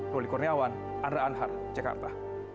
ruli kurniawan andra anhar jakarta